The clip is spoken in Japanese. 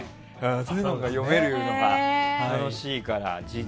そういうのが読めるのが楽しいから。